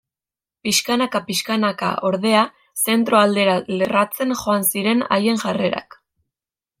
Pixkanaka-pixkanaka, ordea, zentro aldera lerratzen joan ziren haien jarrerak.